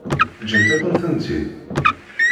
Ǧǧant-akent-tent-id?